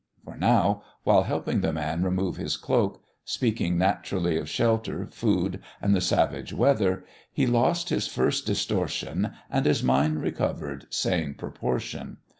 For now, while helping the man remove his cloak, speaking naturally of shelter, food, and the savage weather, he lost this first distortion and his mind recovered sane proportion.